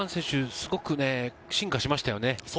すごく進化しました。